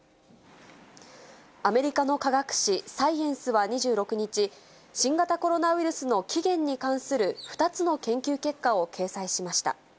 アメリカの科学誌、サイエンスは２６日、新型コロナウイルスの起源に関する２つの研究結果を掲載しました。